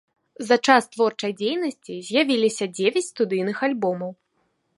За час творчай дзейнасці з'явіліся дзевяць студыйных альбомаў.